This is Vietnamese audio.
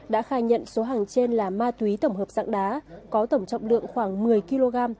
đã khai nhận số hàng trên là ma túy tổng hợp dạng đá có tổng trọng lượng khoảng một mươi kg